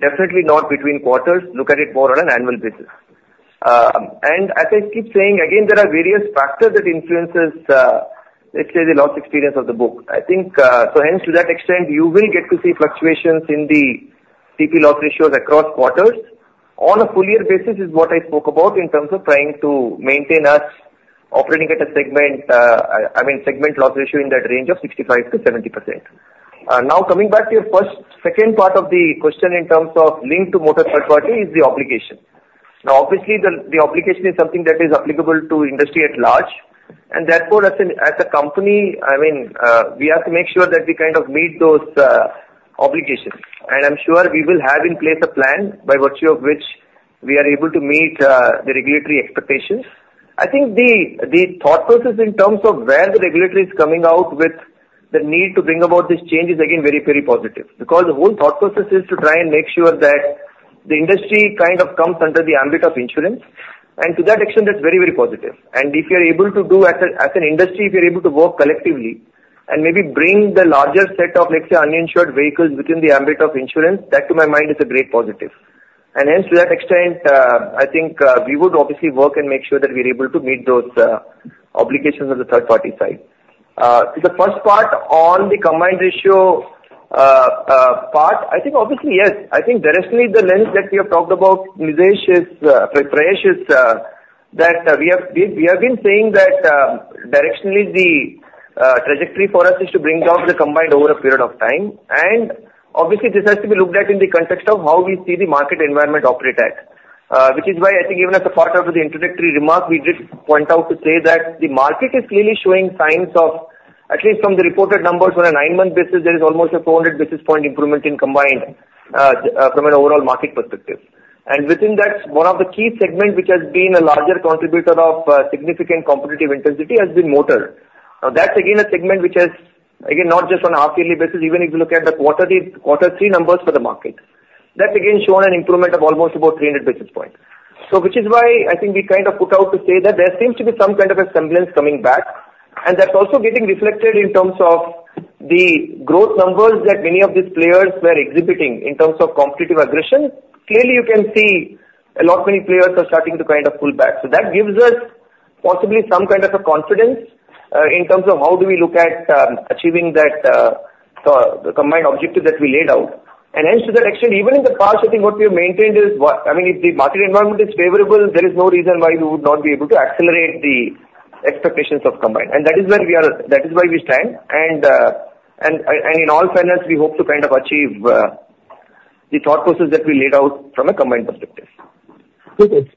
definitely not between quarters. Look at it more on an annual basis. And as I keep saying, again, there are various factors that influences, let's say, the loss experience of the book. So hence, to that extent, you will get to see fluctuations in the TP loss ratios across quarters. On a full year basis is what I spoke about in terms of trying to maintain us operating at a segment I mean, segment loss ratio in that range of 65%-70%. Now, coming back to your second part of the question in terms of linked to motor third party is the obligation. Now, obviously, the obligation is something that is applicable to industry at large. Therefore, as a company, I mean, we have to make sure that we kind of meet those obligations. I'm sure we will have in place a plan by virtue of which we are able to meet the regulatory expectations. I think the thought process in terms of where the regulator is coming out with the need to bring about this change is again very, very positive because the whole thought process is to try and make sure that the industry kind of comes under the ambit of insurance. And to that extent, that's very, very positive. And if you are able to do as an industry, if you're able to work collectively and maybe bring the larger set of, let's say, uninsured vehicles within the ambit of insurance, that to my mind is a great positive. And hence, to that extent, I think we would obviously work and make sure that we are able to meet those obligations on the third-party side. To the first part on the Combined Ratio part, I think obviously, yes. I think directionally, the lens that we have talked about, Nitesh's, Prayesh's, that we have been saying that directionally, the trajectory for us is to bring down the combined over a period of time. And obviously, this has to be looked at in the context of how we see the market environment operate at, which is why I think even as a part of the introductory remark, we did point out to say that the market is clearly showing signs of at least from the reported numbers on a nine-month basis, there is almost a 400 basis point improvement in combined from an overall market perspective. And within that, one of the key segments which has been a larger contributor of significant competitive intensity has been motor. Now, that's again a segment which is again not just on a half-yearly basis. Even if you look at the quarter three numbers for the market, that's again shown an improvement of almost about 300 basis points, which is why I think we kind of put out to say that there seems to be some kind of a semblance coming back. And that's also getting reflected in terms of the growth numbers that many of these players were exhibiting in terms of competitive aggression. Clearly, you can see a lot many players are starting to kind of pull back. So that gives us possibly some kind of a confidence in terms of how do we look at achieving that combined objective that we laid out. And hence, to that extent, even in the past, I think what we have maintained is I mean, if the market environment is favorable, there is no reason why we would not be able to accelerate the expectations of combined. That is where we are. That is why we stand. In all fairness, we hope to kind of achieve the thought process that we laid out from a combined perspective. So it's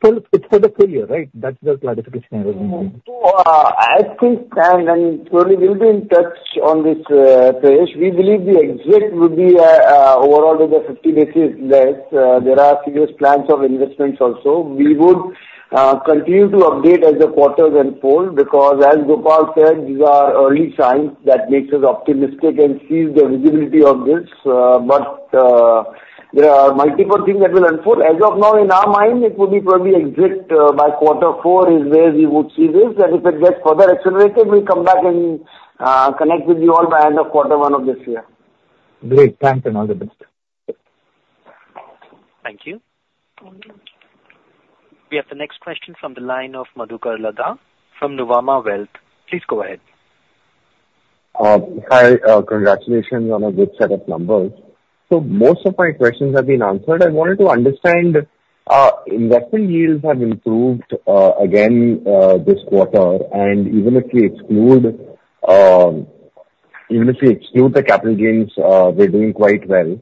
for the full year, right? That's the clarification I was making. So as we stand, and surely we'll be in touch on this, Prayesh. We believe the exit would be overall within 50 days less. There are serious plans of investments also. We would continue to update as the quarters unfold because, as Gopal said, these are early signs that makes us optimistic and see the visibility of this. But there are multiple things that will unfold. As of now, in our mind, it would be probably exit by quarter four, is where we would see this. If it gets further accelerated, we'll come back and connect with you all by end of quarter one of this year. Great. Thanks and all the best. Thank you. We have the next question from the line of Madhukar Ladha from Nuvama Wealth. Please go ahead. Hi. Congratulations on a good set of numbers. So most of my questions have been answered. I wanted to understand investment yields have improved again this quarter. And even if we exclude the capital gains, we're doing quite well.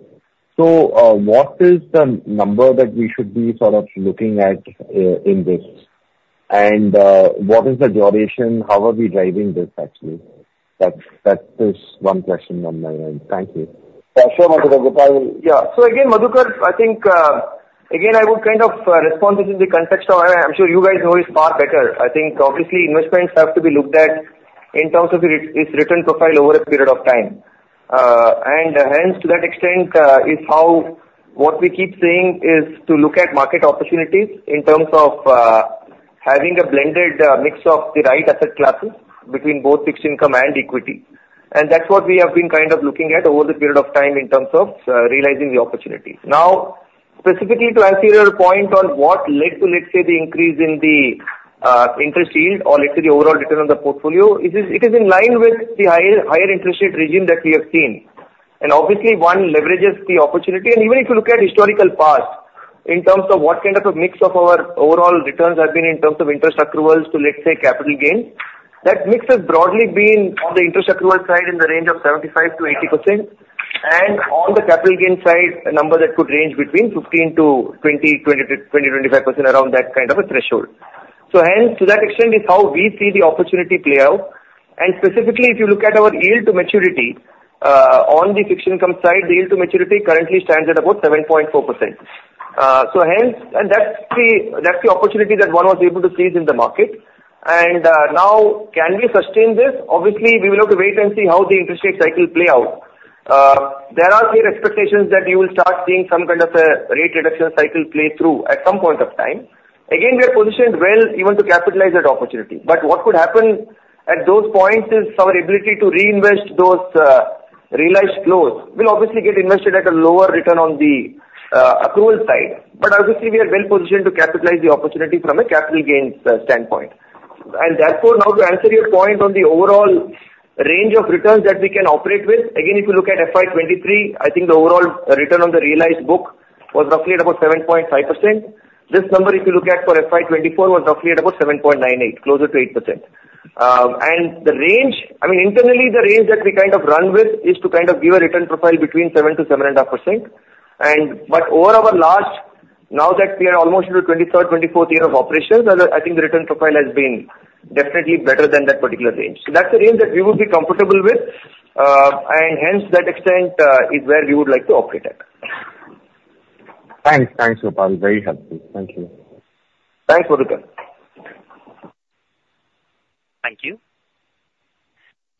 So what is the number that we should be sort of looking at in this? And what is the duration? How are we driving this, actually? That's one question on my end. Thank you. Sure, Madhukar. Gopal, yeah. So again, Madhukar, I think again, I would kind of respond to this in the context of I'm sure you guys know this far better. I think obviously, investments have to be looked at in terms of its return profile over a period of time. And hence, to that extent, is how what we keep saying is to look at market opportunities in terms of having a blended mix of the right asset classes between both fixed income and equity. And that's what we have been kind of looking at over the period of time in terms of realizing the opportunity. Now, specifically to answer your point on what led to, let's say, the increase in the interest yield or, let's say, the overall return on the portfolio, it is in line with the higher interest rate regime that we have seen. And obviously, one leverages the opportunity. Even if you look at historical past in terms of what kind of a mix of our overall returns have been in terms of interest accruals to, let's say, capital gains, that mix has broadly been on the interest accrual side in the range of 75%-80%. On the capital gain side, a number that could range between 15%-20%, 20%-25% around that kind of a threshold. Hence, to that extent, is how we see the opportunity play out. Specifically, if you look at our yield to maturity on the fixed income side, the yield to maturity currently stands at about 7.4%. That's the opportunity that one was able to seize in the market. Now, can we sustain this? Obviously, we will have to wait and see how the interest rate cycle play out. There are clear expectations that you will start seeing some kind of a rate reduction cycle play through at some point of time. Again, we are positioned well even to capitalize that opportunity. But what would happen at those points is our ability to reinvest those realized flows will obviously get invested at a lower return on the accrual side. But obviously, we are well positioned to capitalize the opportunity from a capital gains standpoint. And therefore, now to answer your point on the overall range of returns that we can operate with, again, if you look at FY23, I think the overall return on the realized book was roughly at about 7.5%. This number, if you look at for FY24, was roughly at about 7.98, closer to 8%. I mean, internally, the range that we kind of run with is to kind of give a return profile between 7%-7.5%. But over our last now that we are almost into the 23rd, 24th year of operations, I think the return profile has been definitely better than that particular range. So that's the range that we would be comfortable with. And hence, to that extent, is where we would like to operate at. Thanks. Thanks, Gopal. Very helpful. Thank you. Thanks, Madhukar. Thank you.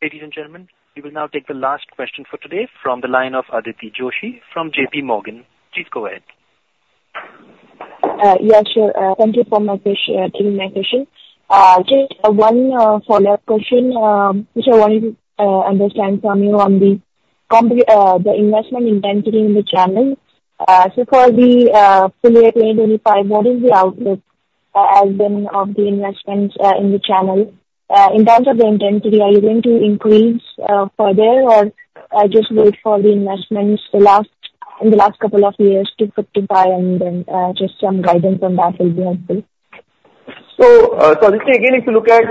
Ladies and gentlemen, we will now take the last question for today from the line of Aditi Joshi from J.P. Morgan. Please go ahead. Yeah. Sure. Thank you for taking my question. Just one follow-up question, which I wanted to understand from you on the investment intensity in the channel. So for the full year 2025, what is the outlook has been. Of the investments in the channel? In terms of the intensity, are you going to increase further, or just wait for the investments in the last couple of years to fructify? And then just some guidance on that will be helpful. So Aditi, again, if you look at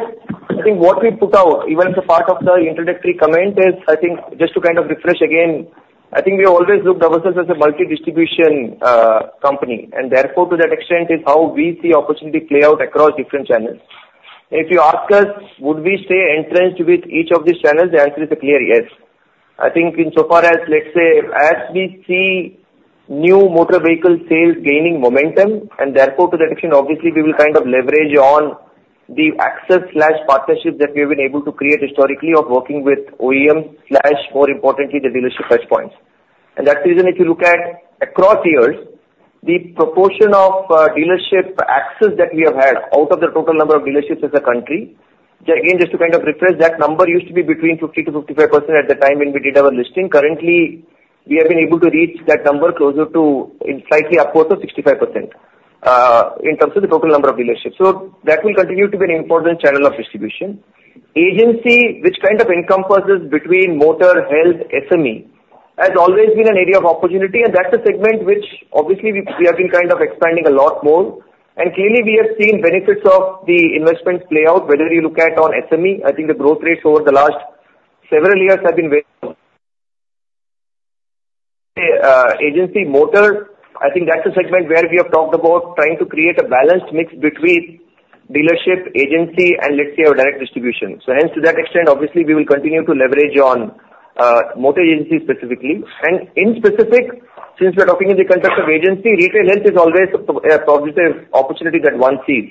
I think what we put out, even as a part of the introductory comment, is I think just to kind of refresh again, I think we always look at ourselves as a multi-distribution company. And therefore, to that extent, is how we see opportunity play out across different channels. If you ask us, would we stay entrenched with each of these channels, the answer is a clear yes. I think insofar as, let's say, as we see new motor vehicle sales gaining momentum, and therefore, to that extent, obviously, we will kind of leverage on the access/partnership that we have been able to create historically of working with OEMs/more importantly, the dealership touchpoints. And that's the reason if you look at across years, the proportion of dealership access that we have had out of the total number of dealerships as a country again, just to kind of refresh, that number used to be between 50%-55% at the time when we did our listing. Currently, we have been able to reach that number closer to slightly upwards of 65% in terms of the total number of dealerships. So that will continue to be an important channel of distribution. Agency, which kind of encompasses between motor, health, SME, has always been an area of opportunity. That's a segment which, obviously, we have been kind of expanding a lot more. Clearly, we have seen benefits of the investments play out, whether you look at on SME. I think the growth rates over the last several years have been very good. Agency motor, I think that's a segment where we have talked about trying to create a balanced mix between dealership, agency, and, let's say, our direct distribution. So hence, to that extent, obviously, we will continue to leverage on motor agency specifically. In specific, since we're talking in the context of agency, retail health is always a positive opportunity that one sees.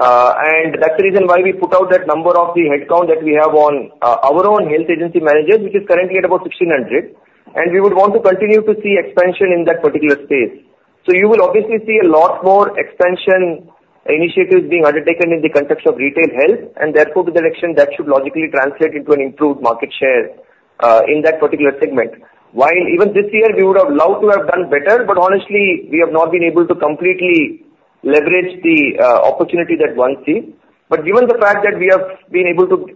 That's the reason why we put out that number of the headcount that we have on our own health agency managers, which is currently at about 1,600. We would want to continue to see expansion in that particular space. So you will obviously see a lot more expansion initiatives being undertaken in the context of retail health. And therefore, to that extent, that should logically translate into an improved market share in that particular segment. While even this year, we would have loved to have done better. But honestly, we have not been able to completely leverage the opportunity that one sees. But given the fact that we have been able to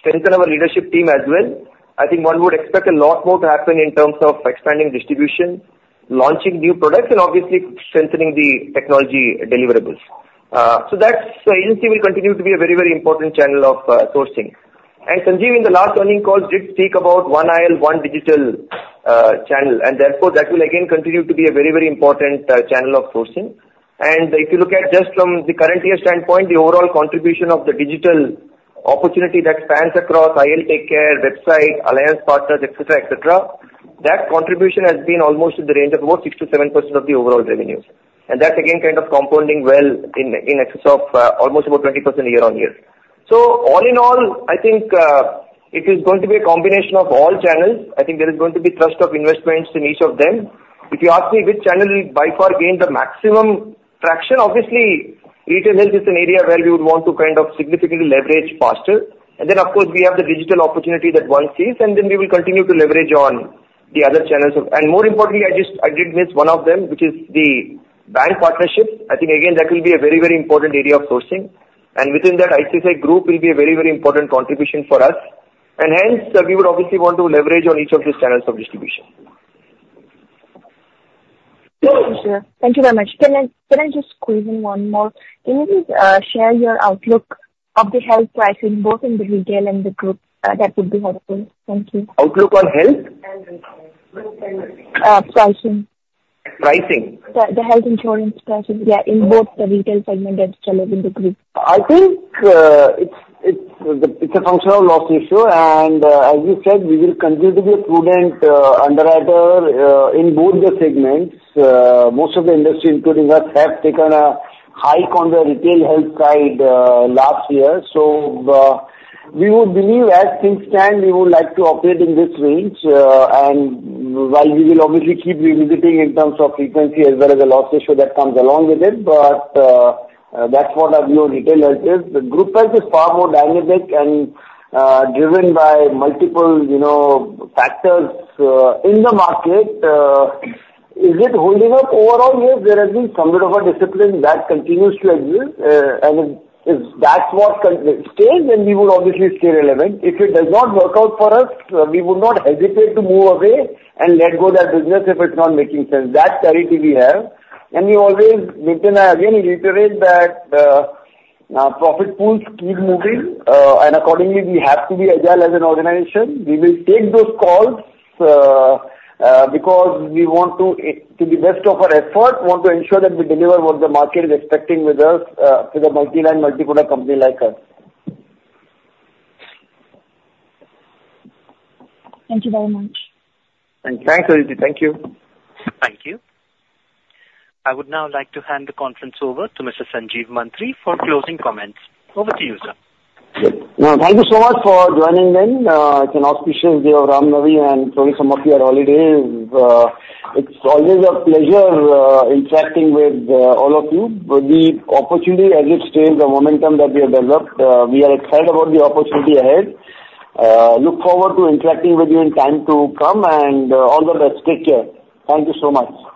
strengthen our leadership team as well, I think one would expect a lot more to happen in terms of expanding distribution, launching new products, and obviously, strengthening the technology deliverables. So agency will continue to be a very, very important channel of sourcing. And Sanjeev, in the last earnings calls, did speak about one IL, one digital channel. And therefore, that will again continue to be a very, very important channel of sourcing. If you look at just from the current year standpoint, the overall contribution of the digital opportunity that spans across IL TakeCare, website, alliance partners, etc., etc., that contribution has been almost in the range of about 6%-7% of the overall revenues. That's again kind of compounding well in excess of almost about 20% year-on-year. All in all, I think it is going to be a combination of all channels. I think there is going to be thrust of investments in each of them. If you ask me which channel will by far gain the maximum traction, obviously, retail health is an area where we would want to kind of significantly leverage faster. Then, of course, we have the digital opportunity that one sees. Then we will continue to leverage on the other channels. And more importantly, I did miss one of them, which is the bank partnerships. I think again, that will be a very, very important area of sourcing. And within that, ICICI Group will be a very, very important contribution for us. And hence, we would obviously want to leverage on each of these channels of distribution. Sure. Thank you very much. Can I just squeeze in one more? Can you please share your outlook of the health pricing both in the retail and the group? That would be helpful. Thank you. Outlook on health? Pricing. Pricing? The health insurance pricing, yeah, in both the retail segment as well as in the group. I think it's a functional loss issue. And as you said, we will continue to be a prudent underwriter in both the segments. Most of the industry, including us, have taken a hike on the retail health side last year. We would believe, as things stand, we would like to operate in this range. While we will obviously keep revisiting in terms of frequency as well as the loss ratio that comes along with it, but that's what our view on retail health is. The group health is far more dynamic and driven by multiple factors in the market. Is it holding up overall? Yes. There has been some bit of a discipline that continues to exist. If that's what stays, then we would obviously stay relevant. If it does not work out for us, we would not hesitate to move away and let go of that business if it's not making sense. That clarity we have. We always maintain and I, again, reiterate that profit pools keep moving. And accordingly, we have to be agile as an organization. We will take those calls because we want to, to the best of our effort, want to ensure that we deliver what the market is expecting with us to the multiline, multiproduct company like us. Thank you very much. Thanks, Aditi. Thank you. Thank you. I would now like to hand the conference over to Mr. Sanjeev Mantri for closing comments. Over to you, sir. Yes. No, thank you so much for joining then. It's an auspicious day of Ram Navami and probably some of your holidays. It's always a pleasure interacting with all of you. The opportunity, as it stays, the momentum that we have developed, we are excited about the opportunity ahead. Look forward to interacting with you in time to come. And all the best. Take care. Thank you so much.